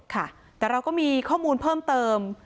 ค่ะแต่เราก็มีข้อมูลเพิ่มเติม